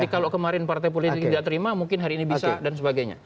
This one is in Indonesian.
jadi kalau kemarin partai politik tidak terima mungkin hari ini bisa dan sebagainya